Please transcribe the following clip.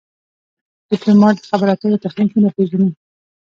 ډيپلومات د خبرو اترو تخنیکونه پېژني.